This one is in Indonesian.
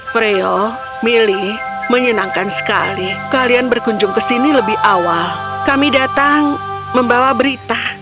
freo milly menyenangkan sekali kalian berkunjung ke sini lebih awal kami datang membawa berita